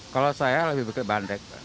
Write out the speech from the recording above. kalau saya lebih pikir bandrek